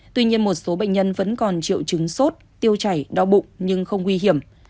tuy nhiên một số bệnh nhân vẫn còn triệu chứng sốt tiêu chảy đau bụng nhưng không nguy hiểm